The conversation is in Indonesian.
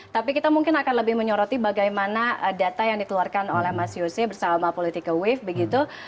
tapi kita mungkin akan lebih menyoroti bagaimana data yang dikeluarkan oleh mas yose bersama politika wave begitu